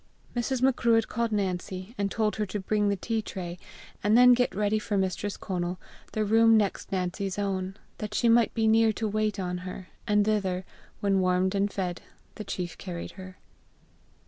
Mrs. Macruadh called Nancy, and told her to bring the tea tray, and then, get ready for Mistress Conal the room next Nancy's own, that she might be near to wait on her; and thither, when warmed and fed, the chief carried her.